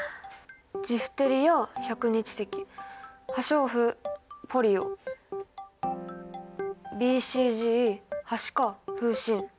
ジフテリア百日せき破傷風ポリオＢＣＧはしか風しん。